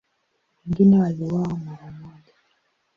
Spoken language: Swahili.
Wengine waliuawa mara moja.